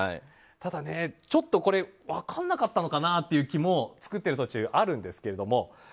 ただ、ちょっと分からなかったのかなっていう気も造ってる途中あるんですけども。